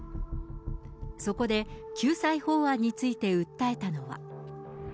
そこで救済法案について訴えたのは。